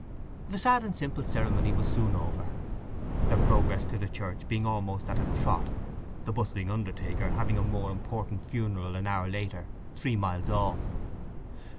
The sad and simple ceremony was soon over, their progress to the church being almost at a trot, the bustling undertaker having a more important funeral an hour later, three miles off.